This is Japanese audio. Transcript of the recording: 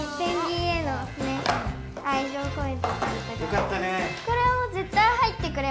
よかったね。